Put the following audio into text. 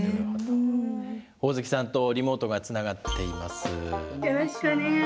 ホオズキさんとリモートがつながっています。